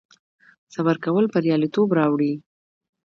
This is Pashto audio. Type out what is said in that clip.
صبر کول بریالیتوب راوړي